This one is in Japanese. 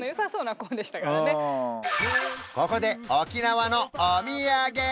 ここで沖縄のお土産！